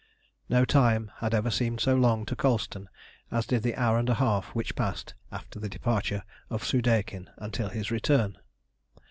No time had ever seemed so long to Colston as did the hour and a half which passed after the departure of Soudeikin until his return.